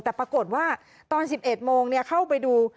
แต่ปรากฏว่าตอน๑๑โมงเข้าไปดู